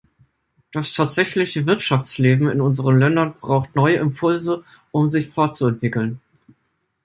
Das tatsächliche Wirtschaftsleben in unseren Ländern braucht neue Impulse, um sich fortzuentwickeln.